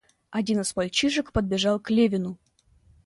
Один из мальчишек подбежал к Левину.